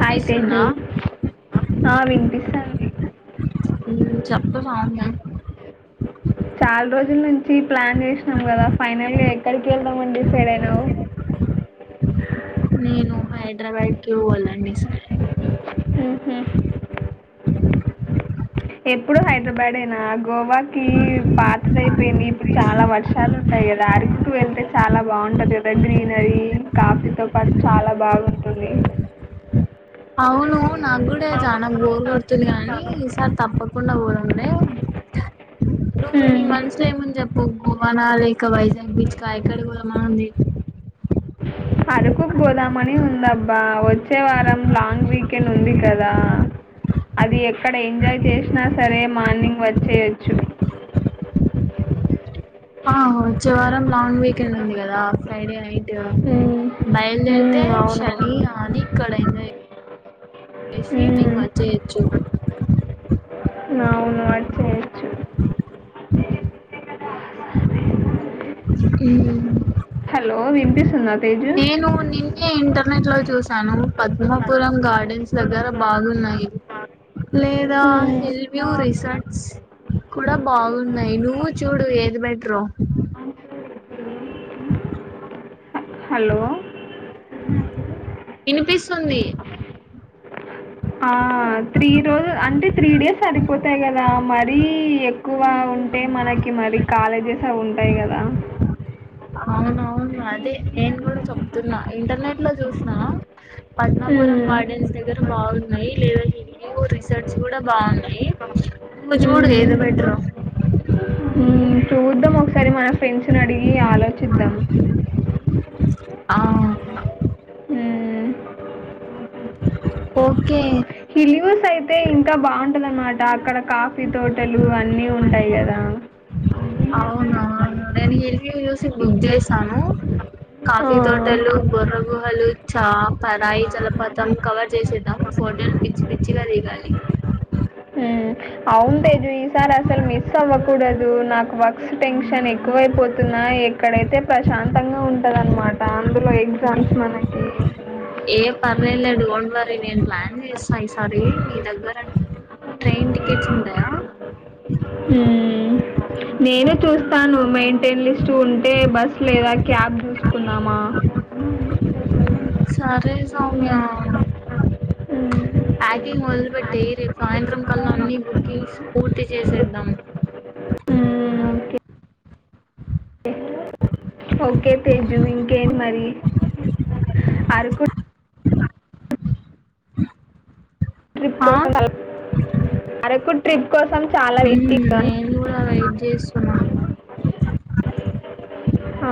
Hi Teju ఆ వినిపిస్తంది మ్మ్ చెప్పు సౌమ్య చాలా రోజుల నుంచి ప్లాన్ చేసినాం కదా ఫైనల్లీ ఎక్కడికి వెళ్దాంమని డిసైడ్ అయి హలో నేను హైదరాబాద్ కి పోవాలి అని డిసైడ్ హ్మ్ హు ఎప్పుడు హైదరాబాద్ అయినా గోవాకి పాతయిపోయింది ఇప్పుడు చాలా వర్షాలు ఉంటాయి కదా అరకుకు వెళ్తే చాలా బాగుంటది కదా గ్రీనరీ కాఫీతో పాటు చాలా బాగుంటుంది అవును నాకు కూడా చానా బోర్ కొడుతుంది అనీ ఈసారి తప్పక కుండ పోదాం లే నువ్వు ని మ్మ్. మనుసులో ఏం ఉందొ చెప్పు పోవనాాలక వైజాగ్ బీచ్ కాయక్కడ పో మగుంది అరుకుకు పోదామని ఉందబ్బా వచ్చే వారం లాంగ్ వీకెండ్ ఉంది కదా, అది ఎక్కడ ఎంజాయ్ చేసినా సరే మార్నింగ్ వచ్చేయచ్చు. ఆ వచ్చారా లాంగ్ వీకెండ్ ఉంది కదా ఫ్రైడే నైట్ గా హ్మ్ బయలుదేరితే హ్మ్ అవును శని హనీ ఇక్కడ ఎంజాయ్ చేసి మెయిన్ హ్మ్ వచ్చేయొచ్చు. నవున్నా వచ్చేయొచ్చు ఉ హలో వింత సున్నా నేను నిన్ని నేను ఇంటర్నెట్ లో చూసాను పద్మాపురం గార్డెన్స్ దగ్గర బాగున్నాయి, లేదా హ్మ్ హిల్ వ్యూ రిసార్ట్స్ కూడా బాగున్నాయి నువ్వు చూడు ఏది బెటర్. హలో వినిపిస్తుంది ఆ త్రీ రోజు అంటే త్రీ డేస్ సరిపోతాయి కదా మరీ ఎక్కువ ఉంటే మనకి మరి కాలేజెస్ అ ఉంటాయి కదా. అవును అదే నేను కూడా చెప్తున్నా ఇంటర్నెట్ లో చూసిన పద్మాపురం హ్మ్ గార్డెన్స్ దగ్గర బాగున్నాయి లేదా హి రిసర్స్ కూడా బాగున్నాయి నువ్వు చూడు హ్మ్ ఏదో బెటరో హ్మ్ చూద్దాం ఒకసారి మన ఫ్రెండ్స్ ను అడిగి మీ ఆలోచిద్దాం ఆ హ్మ్ ఓకే హిల్యూస్ అయితే ఇంకా బాగుంటదినమాట అక్కడ కాఫీ తోటలు అన్నీ ఉంటాయి కదా. అవున అవును నేను హింద్ హిల్ వ్యూ చూసి బుక్ చేసాను ఆ, కాఫీ తోటలు, బొర్ర గుహలు, చా పరాయి జలపాతం, కవర్ చేసేద్దాం ఫోటోలు పిచ్చి పిచ్చిగా దిగాలి. ఉమ్, అవును తేజు ఈసారి అసలు మిస్ అవ్వకూడదు నాకు వర్క్స్ టెన్షన్ ఎక్కువైపోతున్నా ఎక్కడైతే ప్రశాంతంగా ఉంటదనమాట. ఆమ్ దులో ఎగ్జామ్స్ మనకి ఏ పర్లేలేదు లే డోంట్ వర్రీ నేను ప్లాన్ చేసా ఈసారి మీ దగ్గర ట్రైన్ టికెట్స్ ఉంటాయా ఉమ్, నేను చూస్తాను మెయింటైన్ లిస్ట్ ఉంటే బస్ లేదా క్యాబ్ చూసుకున్నామా సరే సౌమ్య ఉమ్, ప్యాకింగ్ మొదలుపెట్టేయి రేపు సాయంత్రం కల్లా అన్న బుకింగ్స్ పూర్తి చేసేద్దాం. ఉమ్, ఓకే ఓకే తేజు ఇంకేంటి మరి. అరకు ట్రిప్ ఆ కోసం చాల వరకు ట్రిప్ కోసం చాలా ఉమ్ వెయిటింగ్ కానీ నేను గుడా చాలా వెయిట్ చేస్తునను ఆ,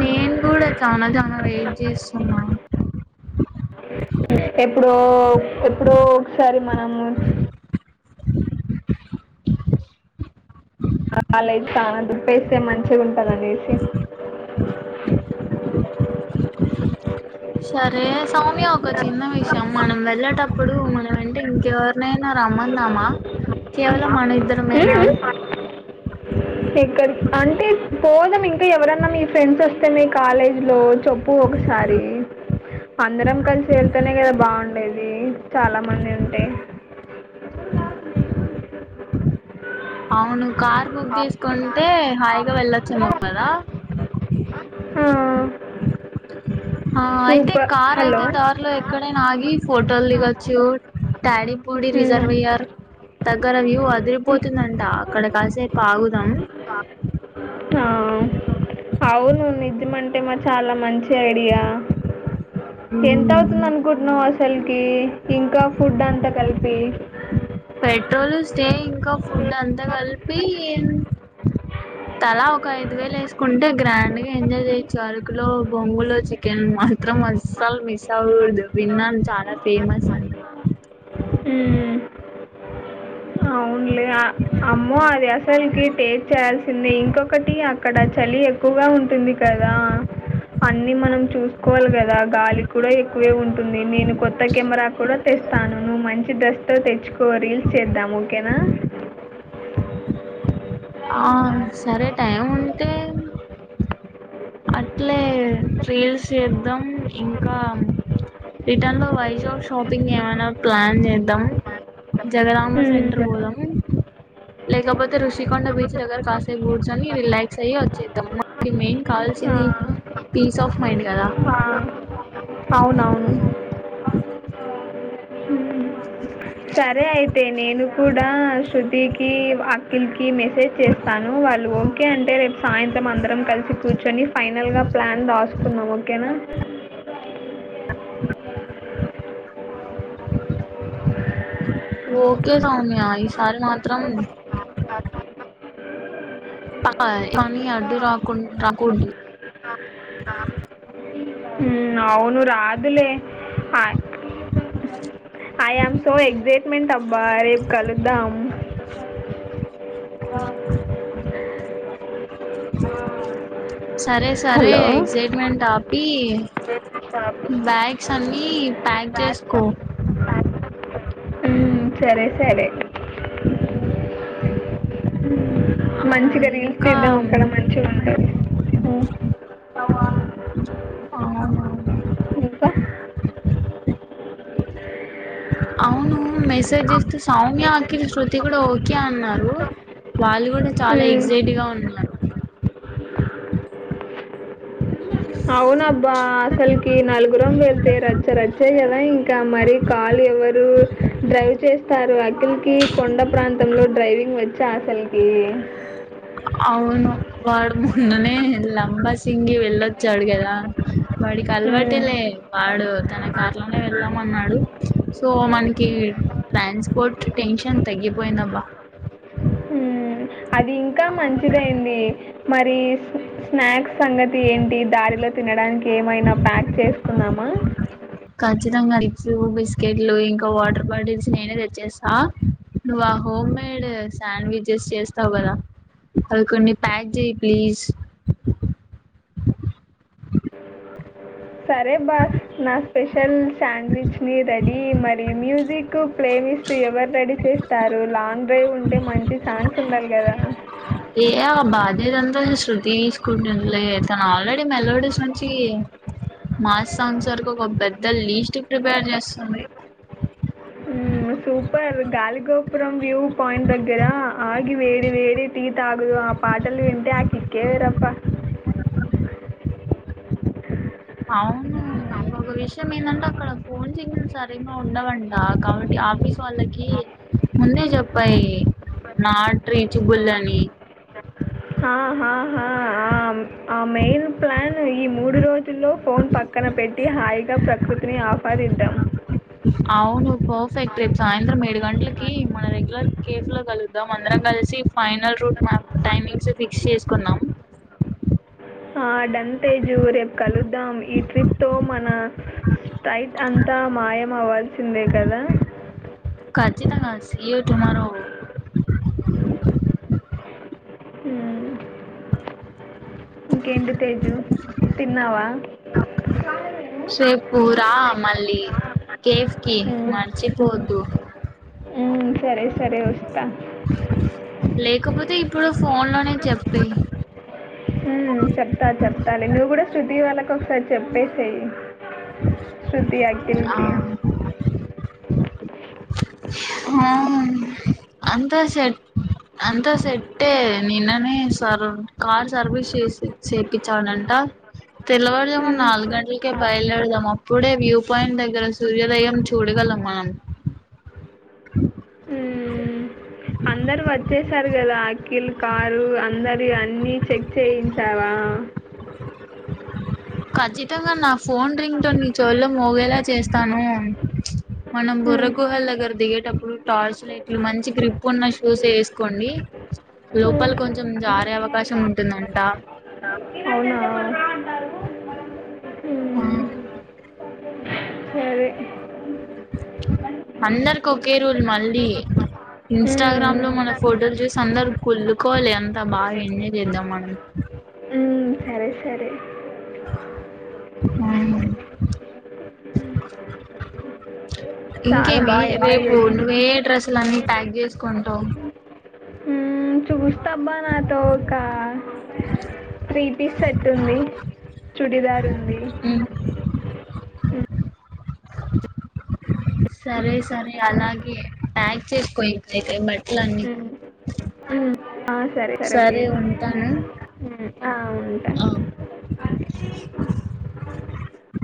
నేను కూడా చానా చానా వెయిట్ చేస్తున్నా ఎప్పుడో ఎప్పుడో ఒకసారి మ కమదు లేస్తా చానాదుప్పేస్తే మంచిగా ఉంటుంది అనేసి. సరే సౌమ్య ఒక చిన్న విషయం మనం వెళ్ళేటప్పుడు మనం వెంటే ఇంకెవరినైనా రమ్మందామా కేవలం మన ఇద్దరమేనా. ఎక్కడిక్ అంటే పోదాం ఇంకా ఎవరన్నా మీ ఫ్రెండ్స్ వస్తే మీ కాలేజ్లో చెప్పు ఒకసారి అందరం కలిసి వెళ్తేనే కదా బాగుండేది చాలా మంది ఉంటే. అవును కార్ బుక్ చేసుకోం అయితే హాయిగా వెళ్ళొచ్చామో కదా ఆ, ఆ అయితే సూపర్ కార్ హలో అయితే దారిలో ఇక్కడే ఆగి ఫోటోలు దిగొచ్చు టాడీపూడి ఉమ్, రిజర్వుర్ దగ్గర వ్యూ అదిరిపోతుందంట అక్కడ కాసేపు ఆగుదాం ఆ, అవును నిజం అంటే మా చాలా మంచి ఐడియా ఎంత మ్మ్. అవుతుంది అనుకుంటున్నావు అస అసల్ కీ ఇంకా ఫుడ్ అంతా కలిపి పెట్రోలు స్టే ఇంకా ఫుడ్ అంతా కలిపి తలా ఒక ఐదు వేలు వేసుకుంటే గ్రాండ్గా ఎంజాయ్ చేయచ్చు అరకులో బొంగులు చికెన్ మాత్రం అసలు మిస్ అవ్వూడదు విన్నాను చాలా ఫేమస్ అం మ్మ్. అవునులే ఆ- అమ్మో అది అసలుకి టేజ చేయాల్సిందే ఇంకొకటి అక్కడ చలి ఎక్కువగా ఆమ్మో అది అసలికి టీస్ట్ చేయాసిందే ఇంకొకటి అక్కడ చలి ఎక్కువ ఉంటుంది కదా అన్ని మనం చూసుకోవాలి కదా గాలి కూడా ఎక్కువే ఉంటుంది నేను కొత్త కెమెరా కూడా తెస్తాను నువ్వు మంచి డ్రస్ట్తో తెచ్చుకో రీల్స్ చేద్దాం ఓకేనా ఆ సరే టైం ఉంటే అట్లే రీల్స్ చేద్దాం ఇంకా రిటర్న్ లో వైజాగ్ షాపింగ్ ఏమైనా ప్లాన్ చేద్దాం జగదమ సెంటర్ మ్మ్. పోదాం లేకపోతే రఋషి ఎకొండ బీచ్ దగ్గర కాసే కూర్చొని రిలాక్స్ అయ్యి వచ్చేద్దాంకి మనకి మెయిన్ ఆ. కావాల్సింది పీస్ ఆఫ్ మైండ్ కదా ఆ. అవునవును మ్మ్. సరే అయితే నేను కూడా శృతికి, అకిల్కి, మెసేజ్ చేస్తాను వాళ్ళు ఓకే అంటే రేపు సాయంత్రం అందరం కలిసి కూర్చొని ఫైనల్గా ప్లాన్ రాసుకుందాం ఓకేనా. ఓకే సౌమ్య ఈసారి మాత్రం [unintelligible] కానీ అడ్డు రాకు రాకూడ్దు అవును రాదులే ఆ అ ఐ ఆమ్ సో ఎక్సైట్మెంట్ అబ్బా రేపు కలుద్దాం సరే సరే హలో ఎక్సైట్మెంట్ ఆ ఇ బ్యాగ్స్ అన్ని ఈ ప్యాక్ చేసుకో మ్మ్, సరే సరే మం ఆ మంచిగా రీల్ ఇంకా తిదాము అక్కడ మంచిగా ఉంటది అ అవు అవును ఇంకా అవును మెసేజ్ ఇస్తే సౌమ్య అఖిల్ శృతి కూడా ఓకే అన్నారు వాళ్ళు కూడా చాలా మ్మ్. ఎక్సయిట్ గా ఉన్నారు అవున అబ్బా అసలకి నలుగురం వెళ్తే రచ్చ రచ్చాయి కదా ఇంకా మరి కాలు ఎవరు డ్రైవ్ చేస్తారు అఖిల్ కీ కొండ ప్రాంతంలో డ్రైవింగ్ వచ్చా అసలకి అవును వాడు మొన్ననే లంబాసింగి వెళ్ళొచ్చాడు కదా వాడికి అలవాటే మ్మ్. లే వాడు తన కార్లోనే వెళ్దామన్నాడు సో మనకి ట్రాన్స్పోర్ట్ టెన్షన్ తగ్గిపోయిందబ్బా మ్మ్. అది ఇంకా మంచిదయింది మరి స్నాక్స్ సంగతి ఏంటి దారిలో తినడానికి ఏమైనా ప్యాక్ చేసుకున్నా మా ఖచ్చితంగా ఎగ్స్ బిస్కెట్లు ఇంకా వాటర్ బాటిల్స్ నేనే తెచ్చేస్తా నువ్ ఆ హోమ్ మేడ్ శాండ్విచెస్ చేస్తావు కదా అవి కొన్ని ప్యాక్ చెయి ప్లీజ్ సరే అబ్బా న స్పెషల్ శాండ్విచ్ ని రెడీ మరి మ్యూజిక్ ప్లే లిస్ట్ ఎవరు రెడీ చేస్తారు లాంగ్ డ్రైవ్ ఉంటే మంచి సాంగ్స్ ఉండాలి కదా ఏ బాధ్యత అంతా శృతి తను ఆల్రెడీ మెలోడీస్ నుంచి మాస్ సాంగ్స్ వరకు ఒక పెద్ద లీస్ట్ ప్రిపేర్ చేస్తుంది మ్మ్. సూపర్ గాలిగోపురం వ్యూ పాయింట్ దగ్గరా ఆగి వేడి వేడి టీ తగుదు ఆ పాటల్ వెంటే ఆకి ఇక్కేవరప్ప అవును ఇంకొక విషయం ఏందంటే అక్కడ ఫోన్ సిగ్నల్ సరగా ఉండవంట కాబట్టి ఆఫీస్ వాళ్ళకి ముందే చెప్పాయి నాట్ రీచబుల్ అని హా హా హా ఆ- ఆ మెయిన్ ప్లాన్ ఈ మూడు రోజ్ లో ఫోన్ పక్కన పెట్టి హాయిగా ప్రకృతిని ఆవాదిద్దాం అవును పర్ఫెక్ట్ ట్రిప్, సాయంత్రం ఏడు గంటలకి మన రెగ్యులర్ కేఫ లో కలుద్దాం, అందరం కలిసి final route map timings fix చేసుకుందాం. ఆ డన్ంతేజు రేపు కలుద్దాం ఈ ట్రిప్తో మన స్టైట్ అంతా మాయం అవ్వాల్సిందే కదా కఖచ్చిత కాసి ఇయో టుమార మ్మ్. ఇంకేంటి తేజు తిన్నావా శే పూరా మళ్ళీ కేఫ్ కి మ్మ్. మర్చిపోద్దు ఉమా సరే సరే వస్తా లేకపోతే ఇప్పుడు ఫోన్ లోనే చెప్పే చెప్తా చెప్తాలి నువ్వు కూడా శృతి వాళ్ళకు ఒకసారి చెప్పేసేయి శుతి ఆ అకికి అంత సట్ అంతా సెట్ే నిన్ననే సర్ కార్ సర్వీస్ చేసి చేపంచాడంట తెలవడదాము ఉమ్, నాలుగు గంటలకే బయలుదేడదాం అప్పుడే వ్యూ పాయింట్ దగ్గర సూర్యోదయం చూడగలం మనం అందరు వచ్చే చారు కదా అఖిల్ కారు అందరి అన్ని చెక్ చేయించావా ఖచ్చితంగా నా ఫోన్ రింగ్తోో నీ చోట్లో మోగేలా చేస్తాను మనం బుర్ర ఉమ్, గుహల దగ్గర దిగేటప్పుడు టార్చ్ లైట్లు మంచి క్రిప్ ఉన్న షూస్ వేసుకోండి లోపల ఉమ్. కొంచెం జారే అవకాశం ఉంటుందంట అవునా ఉమ్, ఆ సరే అందరి ఒకే రూల్ మళ్ళీ ఉమ్, ఇంస్టాగ్రామ్ ఉమ్, లో మన ఫోటోలు చూసి అందరు కులుకోవాలి అంత బాగా ఎంజాయ్ చేద్దాం మనం ఉమ్, సరే సరే ఆ చాలా ఇంకేమి బాగా ఎంజాయ్ రేపు చేద్దాం నువ్వే డ్రెస్ ఇలన్నీ ప్యాక్ చేసుకుంటా త బనాత కా త్రీ పీస్ సట్ ఉంది చుడిదార్ ఉంది ఈ సరే సరే అలాగే ప్యాక్ చేసుకోయిక మట్లన్నీ మ్మ్. మ్మ్, ఆ, సరే తేజు ఉంటాను మ్మ్. ఆ, ఉంటా ఆ